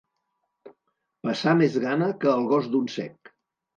Passar més gana que el gos d'un cec.